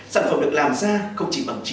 sản phẩm được làm ra không chỉ bằng chí